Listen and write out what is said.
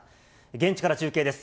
現地から中継です。